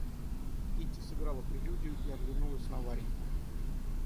Кити сыграла прелюдию и оглянулась на Вареньку.